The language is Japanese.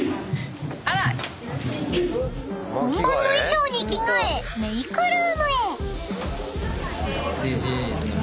［本番の衣装に着替えメイクルームへ］